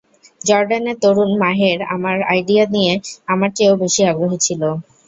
জর্ডানের তরুণ মাহের আমার আইডিয়া নিয়ে আমার চেয়েও বেশি আগ্রহী ছিল।